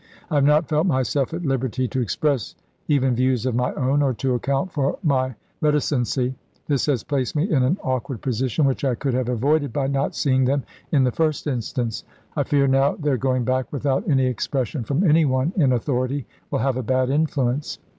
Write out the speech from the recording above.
I have not felt myself at liberty to ex press even views of my own, or to account for my reti cency. This has placed me in an awkward position, which I could have avoided by not seeing them in the first instance. I fear now their going back without any expression from any one in authority will have a bad in fluence.